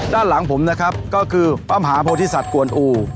ด้านหลังผมนะครับก็คือป้ามหาโพธิสัตว์กวนอู